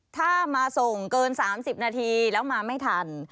ถ้ามาส่งเกิน๓๐นาทีแล้วมาไม่ทัน